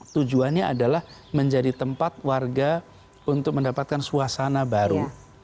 tujuannya adalah menjadi tempat warga untuk mendapatkan suasana baru